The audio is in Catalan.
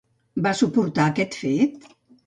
Va suportar aquest fet?